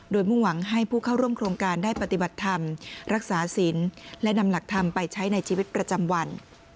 โดยมุ่งหวังให้ผู้เข้าร่วมโครงการได้ปฏิบัติธรรมรักษาศิลป์และนำหลักธรรมไปใช้ในชีวิตประจำวัน